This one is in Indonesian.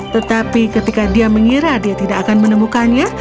tetapi ketika dia mengira dia tidak akan menemukannya